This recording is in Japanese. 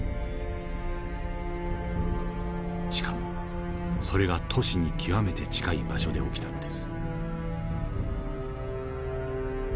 しかもそれが都市に極めて近い場所で起きたのです。